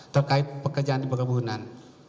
terkait pekerjaan di perkebunan